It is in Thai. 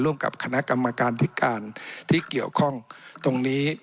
ร่วมกับคณะกรรมการพิการที่เกี่ยวข้องตรงนี้